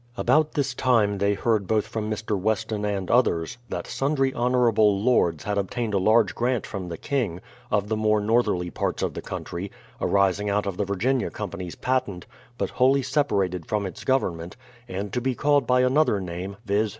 About this time they heard both from Mr. Weston and others, that sundry honourable lords had obtained a large grant from the King, of the more northerly parts of the country, arising out of the Virginia Company's patent, but wholly separated from its government, and to be called by another name, viz..